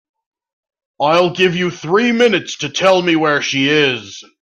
I'll give you three minutes to tell me where she is.